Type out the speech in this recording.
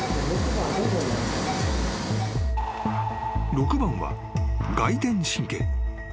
［６番は外転神経］